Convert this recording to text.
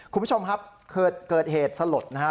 คุณผู้ชมครับเกิดเหตุสลดนะฮะ